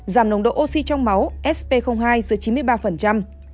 giảm nồng độ oxy trong máu sp hai dưới chín mươi ba